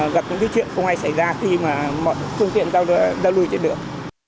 gặp những cái chuyện không ai xảy ra khi mà một thương tiện ra lùi trên đường